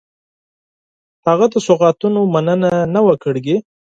هغه د سوغاتونو مننه نه وه کړې.